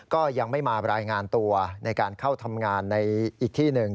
ก็ยังไม่มารายงานตัวในการเข้าทำงานในอีกที่หนึ่ง